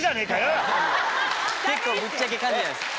結構ぶっちゃけ噛んじゃいます